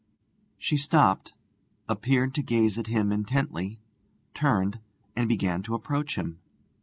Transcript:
She stopped, appeared to gaze at him intently, turned, and began to approach him.